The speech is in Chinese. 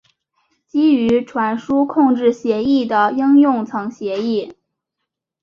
基于传输控制协议的应用层协议。